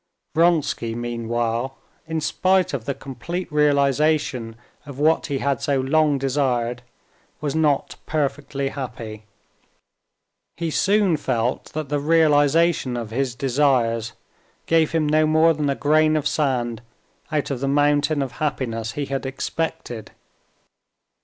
Vronsky, meanwhile, in spite of the complete realization of what he had so long desired, was not perfectly happy. He soon felt that the realization of his desires gave him no more than a grain of sand out of the mountain of happiness he had expected.